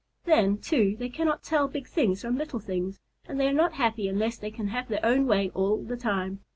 Then, too, they cannot tell big things from little things, and they are not happy unless they can have their own way all the time.